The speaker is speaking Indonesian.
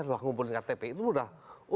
ngumpulin ktp itu udah